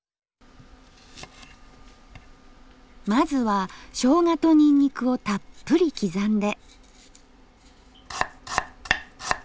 まずはしょうがとニンニクをたっぷり刻んで。